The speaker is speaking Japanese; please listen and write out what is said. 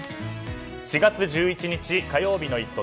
４月１１日火曜日の「イット！」